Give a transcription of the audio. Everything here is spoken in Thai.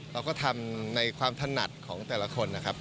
เราก็ทำในความถนัดของแต่ละคนนะครับ